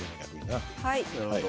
なるほど。